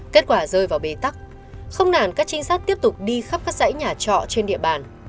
kết quả rơi vào bế tắc không nản các trinh sát tiếp tục đi khắp các dãy nhà trọ trên địa bàn